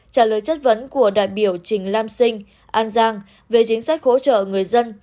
trả lời chất vấn của đại biểu trình lam sinh an giang về chính sách hỗ trợ người dân